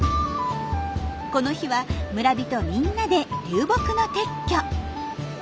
この日は村人みんなで流木の撤去。